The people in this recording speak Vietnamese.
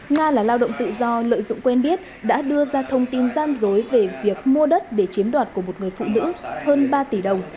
nga là lao động tự do lợi dụng quen biết đã đưa ra thông tin gian dối về việc mua đất để chiếm đoạt của một người phụ nữ hơn ba tỷ đồng